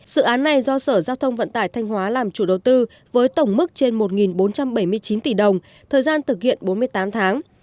dự án này do sở giao thông vận tải thanh hóa làm chủ đầu tư với tổng mức trên một bốn trăm bảy mươi chín tỷ đồng thời gian thực hiện bốn mươi tám tháng